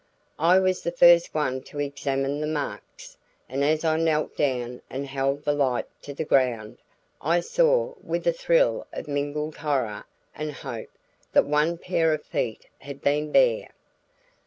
I was the first one to examine the marks, and as I knelt down and held the light to the ground, I saw with a thrill of mingled horror and hope that one pair of feet had been bare.